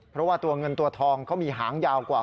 เพราะว่าตัวเงินตัวทองเขามีหางยาวกว่า